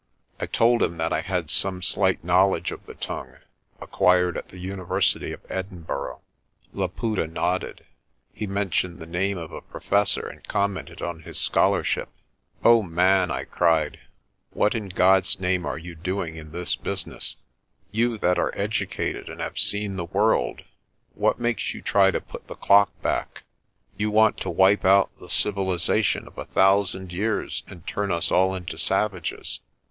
I told him that I had some slight knowledge of the tongue, acquired at the university of Edinburgh. Laputa nodded. He mentioned the name of a professor and commented on his scholarship. "O man!" I cried, "what in God's name are you doing in this business? You that are educated and have seen the world, what makes you try to put the clock back? You want to wipe out the civilisation of a thousand years and turn us all into savages.